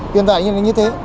hiện tại như thế